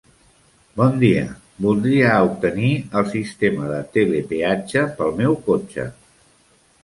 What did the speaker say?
Bon dia, voldria obtenir el sistema de telepeatge pel meu cotxe.